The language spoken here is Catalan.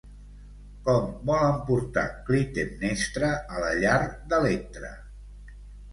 Com volen portar Clitemnestra a la llar d'Electra?